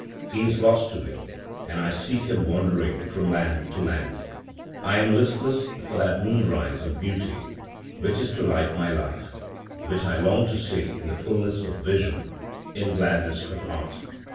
He is lost to me and I seek him wandering from land to land. I am listless for that moonrise of beauty, which is to light my life, which I long to see in the fulness of vision, in gladness of heart.